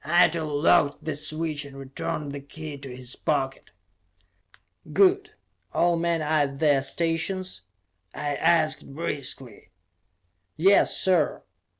Eitel locked the switch and returned the key to his pocket. "Good. All men are at their stations?" I asked briskly. "Yes, sir!